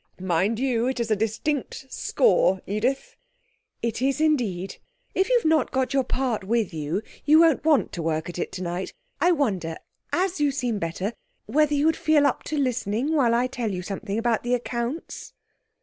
Mind you, it's a distinct score, Edith!' 'It is, indeed. If you have not got your part with you, you won't want to work at it tonight. I wonder, as you seem better, whether you would feel up to listening while I tell you something about the accounts?'